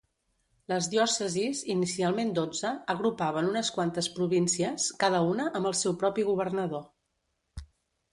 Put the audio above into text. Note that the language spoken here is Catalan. Les diòcesis, inicialment dotze, agrupaven unes quantes províncies, cada una amb el seu propi governador.